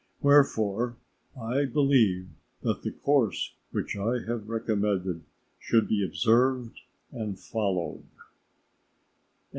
Wherefore, I believe, that the course which I have recommended should be observed and followed.